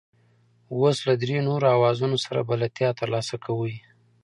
اوس له درې نورو اوزارونو سره بلدیتیا ترلاسه کوئ.